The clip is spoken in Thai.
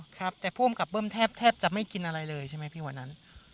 ครับแต่ผู้อำกับเบิ้มแทบจะไม่กินอะไรเลยใช่ไหมพี่วันนั้น